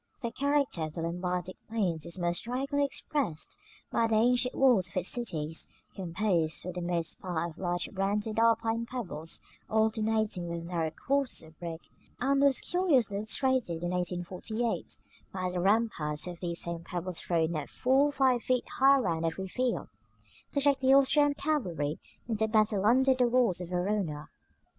The character of the Lombardic plains is most strikingly expressed by the ancient walls of its cities, composed for the most part of large rounded Alpine pebbles alternating with narrow courses of brick; and was curiously illustrated in 1848, by the ramparts of these same pebbles thrown up four or five feet high round every field, to check the Austrian cavalry in the battle under the walls of Verona.